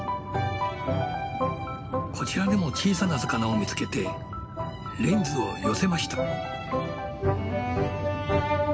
こちらでも小さな魚を見つけてレンズを寄せました。